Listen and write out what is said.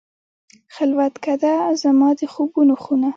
خلوتکده، زما د خوبونو خونه